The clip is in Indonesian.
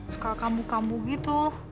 sekala kambuh kambuh gitu